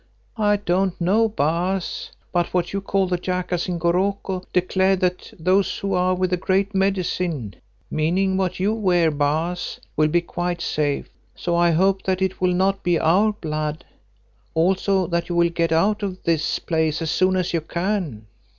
"I don't know, Baas, but what you call the jackass in Goroko, declared that those who are 'with the Great Medicine'—meaning what you wear, Baas—will be quite safe. So I hope that it will not be our blood; also that you will get out of this place as soon as you can."